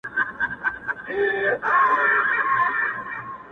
• خو خبري آژانسونه ګ -